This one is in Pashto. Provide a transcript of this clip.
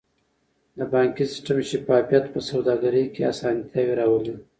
د بانکي سیستم شفافیت په سوداګرۍ کې اسانتیاوې راولي.